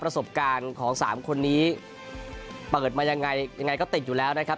ประสบการณ์ของสามคนนี้เปิดมายังไงยังไงก็ติดอยู่แล้วนะครับ